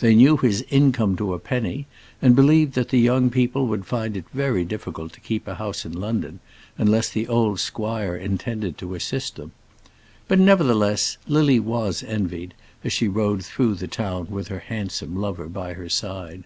They knew his income to a penny, and believed that the young people would find it very difficult to keep a house in London unless the old squire intended to assist them. But, nevertheless, Lily was envied as she rode through the town with her handsome lover by her side.